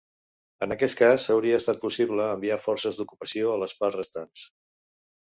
En aquest cas hauria estat possible enviar forces d'ocupació a les parts restants.